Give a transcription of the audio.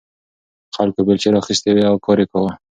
خلکو بیلچې راخیستې وې او کار یې کاوه.